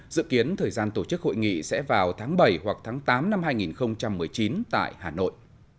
dự kiến thời gian tổ chức hội nghị sẽ vào tháng bảy hoặc tháng tám năm hai nghìn một mươi chín tại hà nội